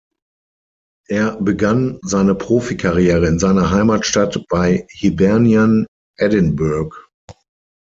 Er begann seine Profikarriere in seiner Heimatstadt bei Hibernian Edinburgh.